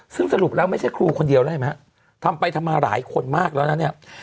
ซึ่งสรุปแล้วไม่ใช่ครูคนเดียวแล้วเห็นไหมฮะทำไปทำมาหลายคนมากแล้วนะเนี่ย